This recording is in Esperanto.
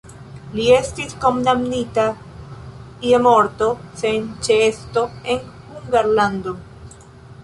Li estis kondamnita je morto sen ĉeesto en Hungarlando.